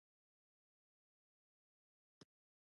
علم شتمني ده چې هر وخت او هر چېرته یې څښتن یاست.